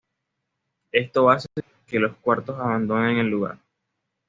Esto hace que los cuatro abandonen el lugar.